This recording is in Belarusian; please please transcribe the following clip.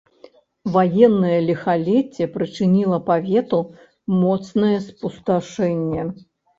Ваеннае ліхалецце прычыніла павету моцнае спусташэнне.